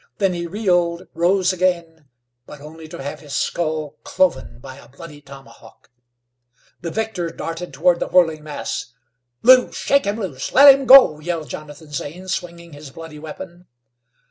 Then he reeled, rose again, but only to have his skull cloven by a bloody tomahawk. The victor darted toward the whirling mass. "Lew, shake him loose! Let him go!" yelled Jonathan Zane, swinging his bloody weapon.